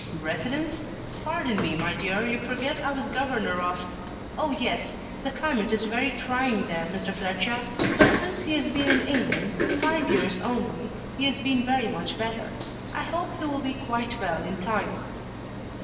"'Residence?' Pardon me, my dear, you forget I was governor of " "Oh, yes! The climate is very trying there, Mr. Fletcher. But since he has been in England five years only he has been very much better. I hope he will be quite well in time."